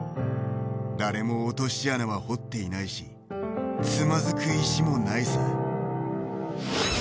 誰も落とし穴は掘っていないしつまずく石もない。